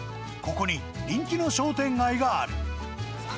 ここに、人気の商店街がある。